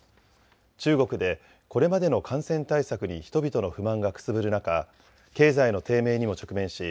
中国でこれまでの感染対策に人々の不満がくすぶる中、経済の低迷にも直面し